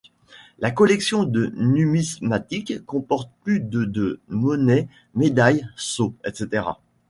La collection de numismatique comporte plus de de monnaie, médailles, sceaux etc.